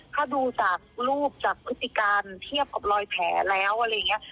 ถ้าดูจากรูปจากพฤติการเทียบกับรอยแผลแล้วอะไรอย่างนี้